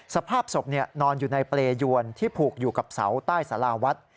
สภาพศพนอนอยู่ในเปรยวนที่ผูกอยู่กับเสาใต้สาราวัด